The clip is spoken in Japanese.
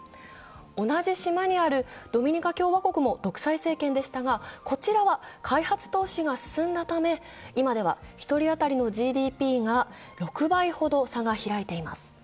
同じ島にあるドミニカ共和国も独裁政権でしたが、こちらは開発投資が進んだため今では一人当たりのＧＤＰは６倍ほど差が開いています。